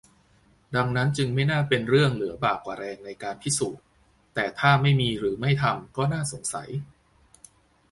ดังนั้นจึงไม่น่าเป็นเรื่องเหลือบ่ากว่าแรงในการพิสูจน์ แต่ถ้าไม่มีหรือไม่ทำ ก็น่าสงสัย